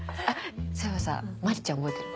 そういえばさ真里ちゃん覚えてる？